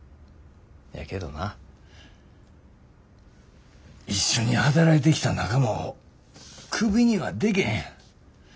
けどな一緒に働いてきた仲間をクビにはでけへん。